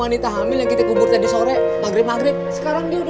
ini saya ainun istrinya pak ahmad ini siapa ya